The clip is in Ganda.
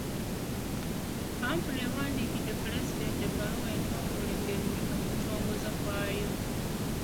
Kkampuni yawandiikidde pulezidenti ebbaluwa entongole ng'emuyita ku kutongoza kwayo.